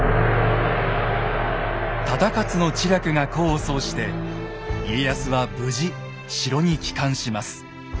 忠勝の知略が功を奏して家康は無事城に帰還します。